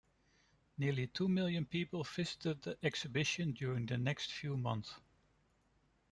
Nearly two million people visited the exhibition during the next few months.